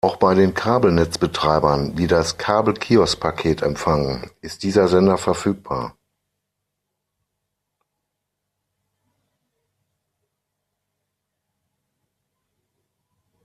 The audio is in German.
Auch bei den Kabelnetzbetreibern, die das Kabelkiosk-Paket empfangen, ist dieser Sender verfügbar.